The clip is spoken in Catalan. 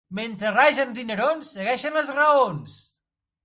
Mentre ragen dinerons segueixen les raons.